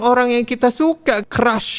orang yang kita suka crash